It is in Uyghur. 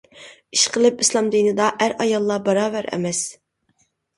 ئىشقىلىپ ئىسلام دىنىدا ئەر-ئاياللار باراۋەر ئەمەس!